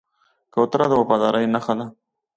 کوتره د وفادارۍ نښه ده.